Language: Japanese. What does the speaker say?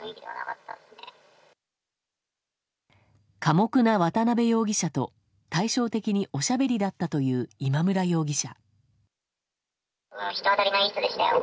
寡黙な渡辺容疑者と対照的におしゃべりだったという今村容疑者。